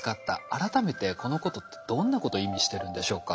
改めてこのことってどんなこと意味してるんでしょうか？